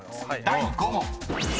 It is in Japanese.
［第５問］